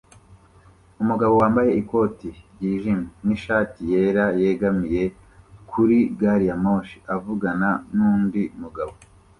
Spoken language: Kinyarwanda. Umugabo wambaye ikoti ryijimye nishati yera yegamiye kuri gari ya moshi avugana nundi mugabo